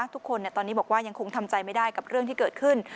ทุกคนตอนนี้บอกว่ายังคงทำใจไม่ได้กับเรื่องที่เกิดขึ้น